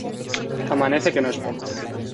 Amanece, que no es poco